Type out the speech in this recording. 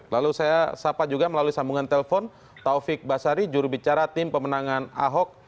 lalu saya sapa juga melalui sambungan telpon taufik basari jurubicara tim pemenangan ahok